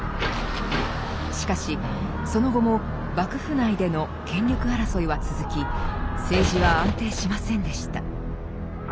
しかしその後も幕府内での権力争いは続き政治は安定しませんでした。